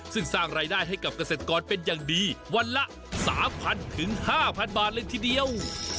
ซึ่งสร้างรายได้ให้กับเกษตรกรเป็นอย่างดีวันละ๓๐๐๕๐๐บาทเลยทีเดียว